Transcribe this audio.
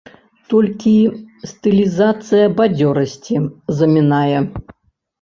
Толькі стылізацыя бадзёрасці замінае.